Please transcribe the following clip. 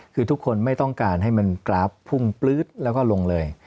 คือทุกคนไม่ต้องการให้มันกราฟพุ่งปลื๊ดแล้วก็ลงเลย